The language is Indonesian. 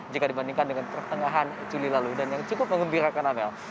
jika dibandingkan dengan pertengahan juli lalu dan yang cukup mengembirakan amel